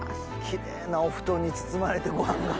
キレイなお布団に包まれてご飯が。